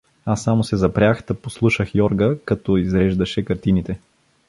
Аз само се запрях, та послушах Йорга, като изреждаше картините.